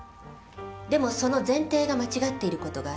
でもその前提が間違っている事があるの。